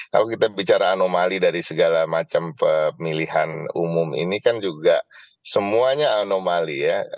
kalau kita bicara anomali dari segala macam pemilihan umum ini kan juga semuanya anomali ya